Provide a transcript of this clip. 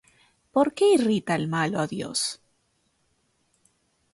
¿Por qué irrita el malo á Dios?